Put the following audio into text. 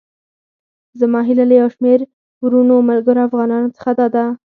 زما هيله له يو شمېر وروڼو، ملګرو او افغانانو څخه داده.